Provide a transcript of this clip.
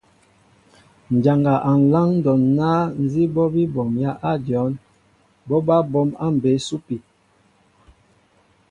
Njana a nláaŋ ndɔn na nzi ɓɔɓi ɓomya a dyɔnn, ɓɔ ɓaa ɓom a mbé supi.